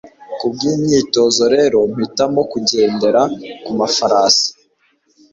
kubwimyitozo rero mpitamo kugendera kumafarasi